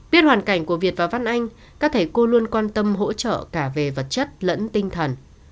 biết hoàn cảnh của việt và văn anh các thầy cô luôn quan tâm hỗ trợ cả về vật chất lẫn tinh thần